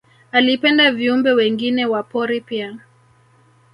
Alipenda viumbe wengine wa pori pia